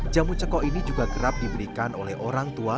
jamu ceko ini juga kerap diberikan oleh orang tua